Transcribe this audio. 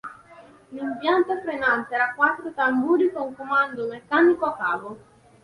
L'impianto frenante era a quattro tamburi con comando meccanico a cavo.